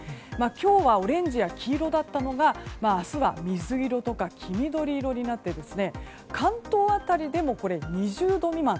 今日はオレンジや黄色だったのが明日は水色とか黄緑色になって関東辺りでも２０度未満。